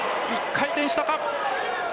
１回転したか。